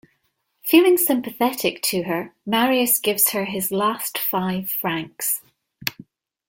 Feeling sympathetic to her, Marius gives her his last five francs.